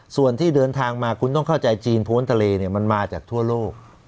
ส่วนที่เดินทางมาคุณต้องเข้าใจจีนพ้นทะเลเนี่ยมันมาจากทั่วโลก